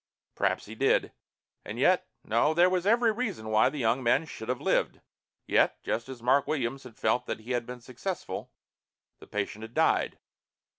Perhaps he did. And yet No, there was every reason why the young man should have lived. Yet, just as Mark Williams had felt that he had been successful, the patient had died.